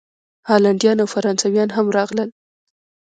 هالینډیان او فرانسویان هم راغلل.